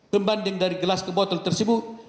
pembanding dari gelas ke botol tersebut